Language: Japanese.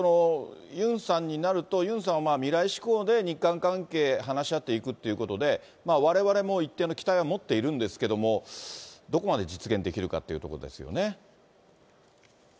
ユンさんになると、ユンさんは未来志向で日韓関係、話し合っていくっていうことで、われわれも一定の期待は持っているんですけれども、どこまで実現できるかっていうところですよね。